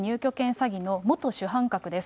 詐欺の元主犯格です。